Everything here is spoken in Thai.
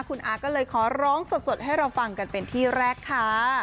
คุณอาก็เลยขอร้องสดให้เราฟังกันเป็นที่แรกค่ะ